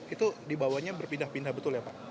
itu dibawanya berpindah pindah betul ya pak